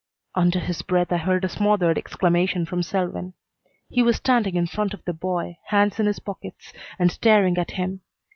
Under his breath I heard a smothered exclamation from Selwyn. He was standing in front of the boy, hands in his pockets, and staring at him.